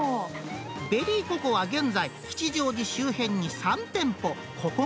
ベリーココは現在、吉祥寺周辺に３店舗。